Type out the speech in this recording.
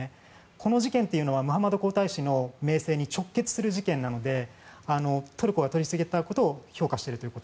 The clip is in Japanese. この事件というのはムハンマド皇太子の名声に直結する事件なのでトルコは取り下げたことを評価していると。